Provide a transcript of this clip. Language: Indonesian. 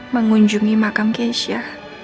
mengunjungi makam keisha